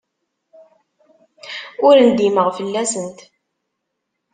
Ur ndimeɣ fell-asent.